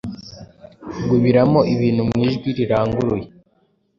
guubiramo ibintu mu ijwi riranguruye